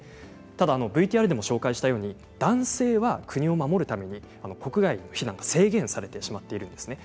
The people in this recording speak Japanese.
ただＶＴＲでも紹介したように男性は国を守るために国外への避難が制限されてしまっています。